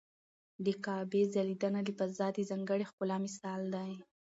د کعبې ځلېدنه له فضا د ځانګړي ښکلا مثال دی.